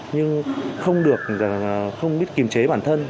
nhưng không được không biết kiềm chế bản thân